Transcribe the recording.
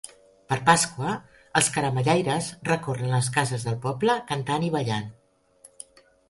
Per Pasqua, els caramellaires recorren les cases del poble cantant i ballant.